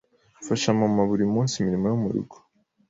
Mfasha mama buri munsi imirimo yo murugo.